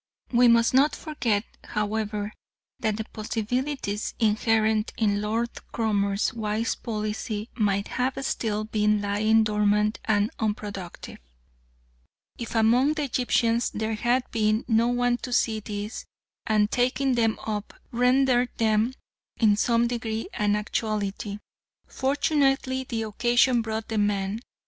We must not forget, however, that the possibilities inherent in Lord Cromer's wise policy might have still been lying dormant and unproductive, if among the Egyptians there had been no one to see these, and, taking them up, render them in some degree an actuality. Fortunately the occasion brought the man.